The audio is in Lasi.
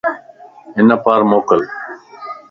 ھنک مان پار موڪل